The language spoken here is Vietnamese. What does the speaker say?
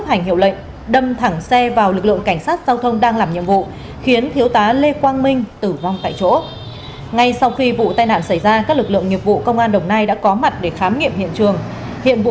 các bạn hãy đăng ký kênh để ủng hộ kênh của chúng mình nhé